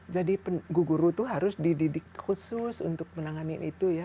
jadi guru guru itu harus dididik khusus untuk menangani itu ya